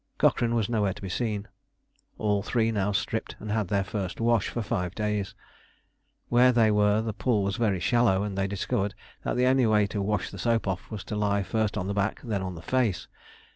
Cochrane was nowhere to be seen. All three now stripped, and had their first wash for five days. Where they were the pool was very shallow, and they discovered that the only way to wash the soap off was to lie first on the back and then on the face.